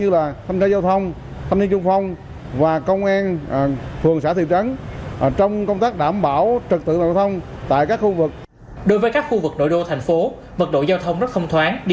đối với các khu vực nội đô thành phố vật độ giao thông rất không thoáng đi lại dễ dàng ở hầu hết các tuyến đường